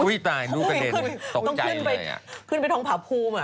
อุ๊ยตายดูประเด็นตกใจเลยอ่ะต้องขึ้นไปขึ้นไปท้องผาภูมิอ่ะ